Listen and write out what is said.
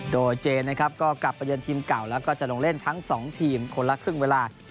โดยเจนนะครับก็กลับไปเยือนทีมเก่าแล้วก็จะลงเล่นทั้ง๒ทีมคนละครึ่งเวลา